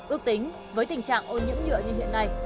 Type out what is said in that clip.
ước tính với tình trạng ô nhiễm nhựa như hiện nay